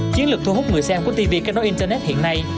chiến lược thu hút người xem của tv kết nối internet hiện nay